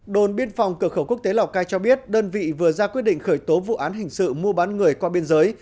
đồn biên phòng cửa khẩu quốc tế lào cai cho biết đơn vị vừa ra quyết định khởi tố vụ án hình sự mua bán người qua biên giới